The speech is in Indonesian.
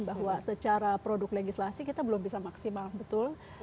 bahwa secara produk legislasi kita belum bisa maksimal betul